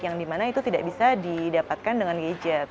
yang dimana itu tidak bisa didapatkan dengan gadget